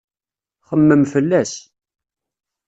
Xemmem fell-as.